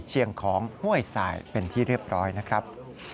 ของห้วยสายเป็นที่เรียบร้อยนะครับ